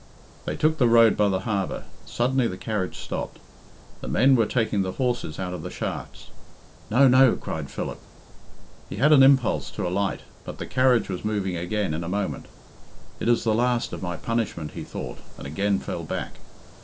They took the road by the harbour. Suddenly the carriage stopped. The men were taking the horses out of the shafts. "No, no," cried Philip. He had an impulse to alight, but the carriage was moving again in a moment. "It is the last of my punishment," he thought, and again fell back.